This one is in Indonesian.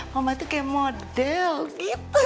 mama itu kayak model gitu